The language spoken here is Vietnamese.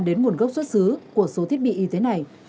đến nguồn gốc xuất xứ của số thiết bị y tế này